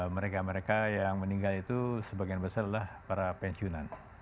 mereka mereka yang meninggal itu sebagian besar adalah para pensiunan